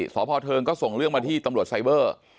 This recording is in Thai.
สพเทิงก็ส่งเรื่องมาที่ตำรวจไซเบอร์